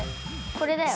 これだよ。